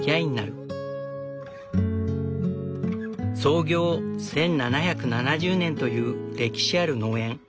創業１７７０年という歴史ある農園。